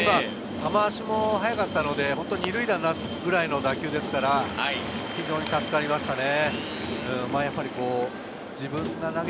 球足も速かったので、二塁打になるくらいの打球ですから非常に助かりましたね。